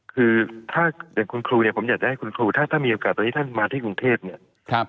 คือถ้าอย่างคุณครูเนี่ยผมอยากจะให้คุณครูถ้ามีโอกาสตรงนี้ท่านมาที่กรุงเทพเนี่ย